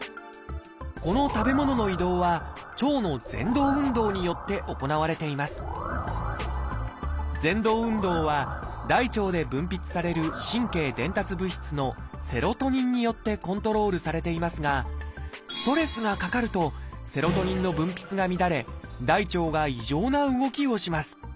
この食べ物の移動は腸のぜん動運動によって行われていますぜん動運動は大腸で分泌される神経伝達物質の「セロトニン」によってコントロールされていますがストレスがかかるとセロトニンの分泌が乱れ大腸が異常な動きをします。